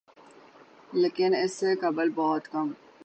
لیکن اس سے قبل بہت کم